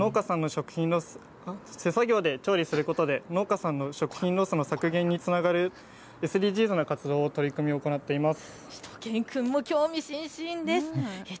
農家さんの食品ロス、作業で調理することで農家さんの食品ロスの削減につながるＳＤＧｓの取り組みを行っています。